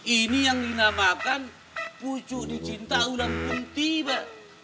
ini yang dinamakan pucu dicinta undang kunti pak